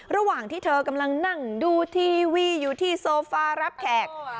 ระหว่างที่เธอกำลังนั่งดูทีวีอยู่ที่โซฟารับแขก